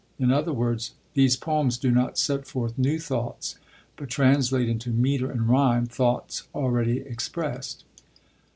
In other words, these poems do not set forth new thoughts, but translate into metre and rhyme thoughts already expressed.